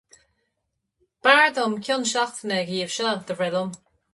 B'fhearr dom cion seachtaine dhíobh seo do bhreith liom.